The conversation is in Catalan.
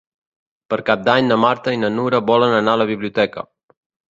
Per Cap d'Any na Marta i na Nura volen anar a la biblioteca.